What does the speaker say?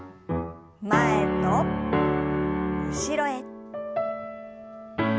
前と後ろへ。